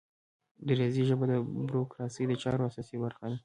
د ریاضي ژبه د بروکراسي د چارو اساسي برخه ده.